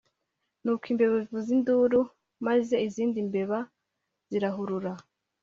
nuko imbeba ivuza induru maze izindi mbeba zirahurura.